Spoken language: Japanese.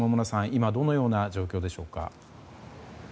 今、どのような状況でしょうか。